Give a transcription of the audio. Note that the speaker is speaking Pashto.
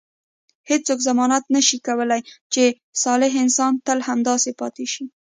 هیڅوک ضمانت نه شي کولای چې صالح انسان تل همداسې پاتې شي.